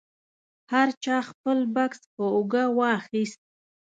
هر چا خپل بکس په اوږه واخیست.